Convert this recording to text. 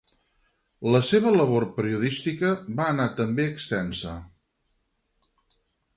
La seva labor periodística va anar també extensa.